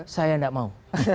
saya tidak mau